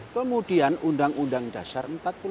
kemudian undang undang dasar empat puluh lima